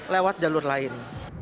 lewat jalur lain